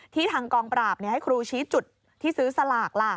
ทางกองปราบให้ครูชี้จุดที่ซื้อสลากล่ะ